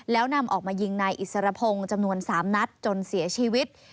แล้วนำออกมายิงนายอิสรพงศ์จำนวน๓นัดจนเสียชีวิต